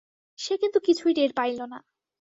সে কিন্তু কিছুই টের পাইল না।